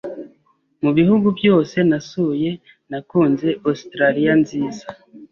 Mu bihugu byose nasuye, nakunze Australiya nziza.